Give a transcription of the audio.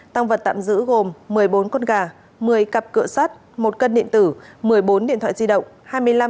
tăng vật tạm giữ gồm một mươi bốn con gà một mươi cặp cửa sắt một cân điện tử một mươi bốn điện thoại di động